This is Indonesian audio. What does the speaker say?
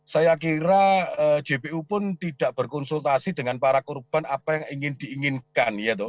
saya kira jpu pun tidak berkonsultasi dengan para korban apa yang ingin diinginkan